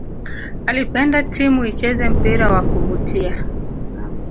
alipenda timu icheze mpira wa kuvutia